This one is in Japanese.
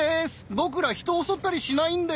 ぼくら人を襲ったりしないんで。